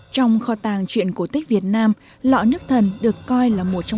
trong kho tàng truyện cổ tích việt nam lõ nước thần được coi là một tích truyện